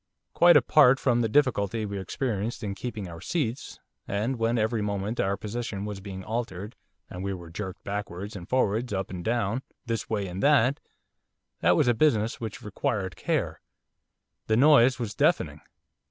Quite apart from the difficulty we experienced in keeping our seats and when every moment our position was being altered and we were jerked backwards and forwards up and down, this way and that, that was a business which required care, the noise was deafening.